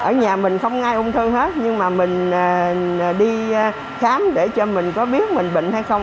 ở nhà mình không ai ung thư hết nhưng mà mình đi khám để cho mình có biến mình bệnh hay không